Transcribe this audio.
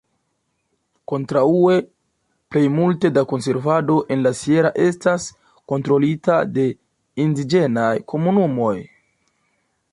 Kontraŭe, plejmulte da konservado en la Sierra estas kontrolita de indiĝenaj komunumoj.